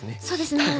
そうですね。